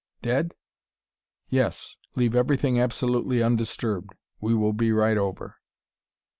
"Dead?... Yes!... Leave everything absolutely undisturbed. We will be right over."